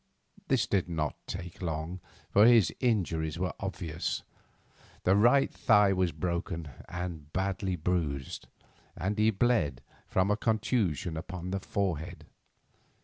This did not take long, for his injuries were obvious. The right thigh was broken and badly bruised, and he bled from a contusion upon the forehead.